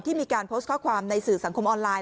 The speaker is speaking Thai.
มีการโพสต์ข้อความในสื่อสังคมออนไลน